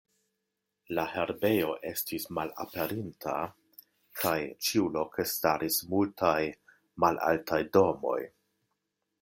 La herbejo estis malaperinta, kaj ĉiuloke staris multaj malaltaj domoj.